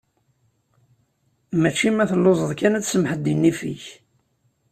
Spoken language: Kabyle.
Mačči ma telluzeḍ kan ad tsemḥeḍ deg nnif-ik.